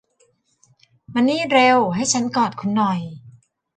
มานี่เร็ว ให้ฉันกอดคุณหน่อย